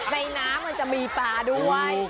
ในน้ำมันจะมีปลาด้วย